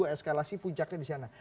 eskalasi puncaknya di sana